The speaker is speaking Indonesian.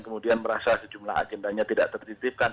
kemudian merasa sejumlah agendanya tidak tertitipkan